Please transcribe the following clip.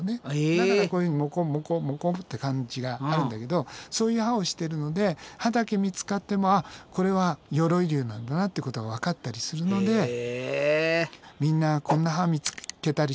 だからこういうふうにモコモコモコって感じがあるんだけどそういう歯をしてるので歯だけ見つかってもこれは鎧竜なんだなっていうことがわかったりするのでみんなこんな歯見つけたりしたらね